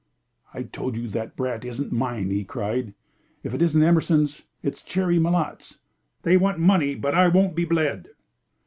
"I told you the brat isn't mine!" he cried. "If it isn't Emerson's, it's Cherry Malotte's. They want money, but I won't be bled."